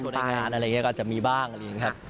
โชว์ในงานอะไรอย่างนี้ก็จะมีบ้างเลยนะครับ